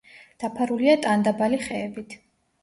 დაფარულია ტანდაბალი ხეებით.